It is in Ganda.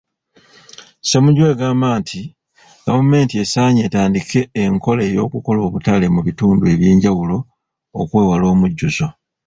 Ssemujju egamba nti gavumenti esaanye etandikewo enkola ey'okukola obutale mu bitundu ebyenjawulo okwewala omujjuzo.